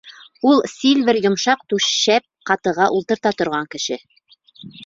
Ул Сильвер йомшаҡ түшәп ҡатыға ултырта торған кеше.